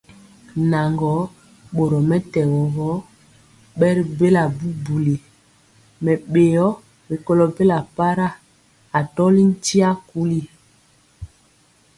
Naŋgɔɔ, boromɛtɛgɔ gɔ, bɛritya bubuli mɛbéo rikɔlɔ bela para, atɔli ntia kuli.